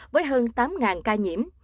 với hơn tám ca nhiễm